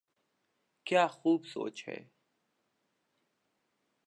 کیا خوب سوچ ہے۔